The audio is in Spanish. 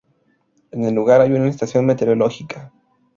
En el lugar hay una estación meteorológica.